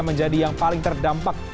menjadi yang paling terdampak